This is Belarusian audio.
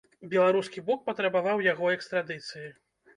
Беларускі бок патрабаваў яго экстрадыцыі.